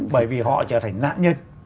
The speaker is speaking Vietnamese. bởi vì họ trở thành nạn nhân